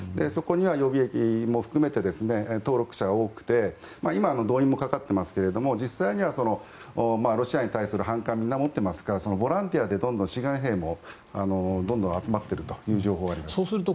そこには予備役も含めて登録者が多くて今、動員もかかっていますが実際にはロシアに対する反感を皆持っていますからボランティアで志願兵も集まっているという情報もあります。